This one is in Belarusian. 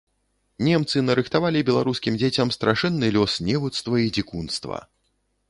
Немцы нарыхтавалі беларускім дзецям страшэнны лёс невуцтва і дзікунства.